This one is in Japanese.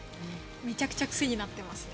めちゃくちゃ癖になってますね。